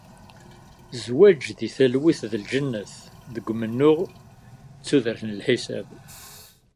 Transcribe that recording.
Zzwaǧ, deg talwit, d lǧennet ; deg umennuɣ, d tudert n lḥisab.